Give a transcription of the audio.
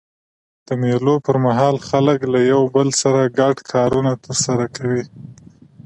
د مېلو پر مهال خلک له یو بل سره ګډ کارونه ترسره کوي.